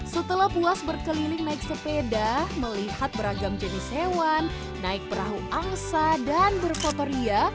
setelah puas berkeliling naik sepeda melihat beragam jenis hewan naik perahu angsa dan berfotoria